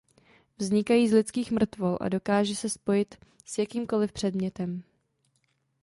Vznikají z lidských mrtvol a dokáže se spojit s jakýmkoliv předmětem.